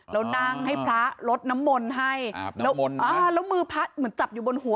แล้วนั่งให้พระลดน้ำมนต์ให้แล้วมือพระเหมือนจับอยู่บนหัว